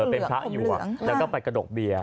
เป็นพระอยู่แล้วก็ไปกระดกเบียร์